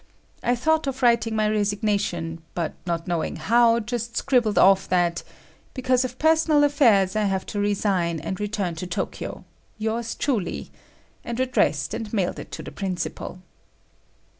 I thought of writing my resignation, but not knowing how, just scribbled off that "because of personal affairs, I have to resign and return, to Tokyo. Yours truly," and addressed and mailed it to the principal.